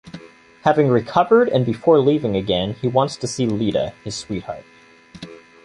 Having recovered and before leaving again, he wants to see Lida, his sweetheart.